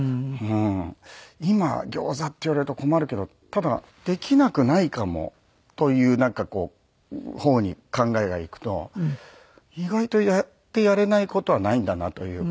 今「ギョーザ」って言われると困るけどただできなくないかもという方に考えがいくと意外とやってやれない事はないんだなというか